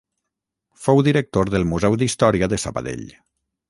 Fou director del Museu d'Història de Sabadell.